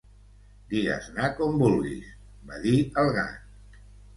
"Digues-ne com vulguis", va dir el Gat.